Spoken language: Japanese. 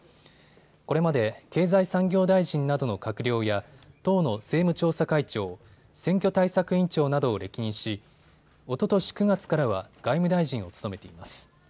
これまで経済産業大臣などの閣僚や党の政務調査会長、選挙対策委員長などを歴任しおととし９月からは外務大臣を務めています。